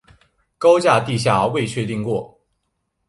高架地下未确定过。